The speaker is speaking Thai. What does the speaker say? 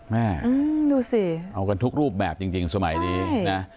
แม่อืมดูสิเอากันทุกรูปแบบจริงจริงสมัยนี้ใช่